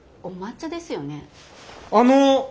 あの！